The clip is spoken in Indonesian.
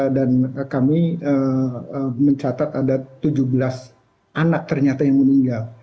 dan kami mencatat ada tujuh belas anak ternyata yang meninggal